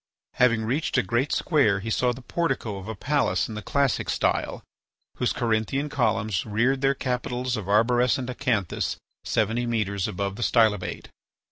Having reached a great square he saw the portico of a palace in the Classic style, whose Corinthian columns reared their capitals of arborescent acanthus seventy metres above the stylobate.